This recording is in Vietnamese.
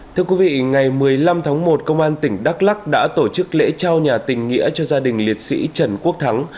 thưa quý vị ngày một mươi năm tháng một công an tỉnh đắk lắc đã tổ chức lễ trao nhà tình nghĩa cho gia đình liệt sĩ trần quốc thắng